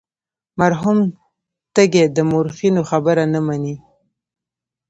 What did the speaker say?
مرحوم تږی د مورخینو خبره نه مني.